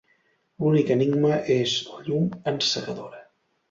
L'únic enigma és la llum encegadora.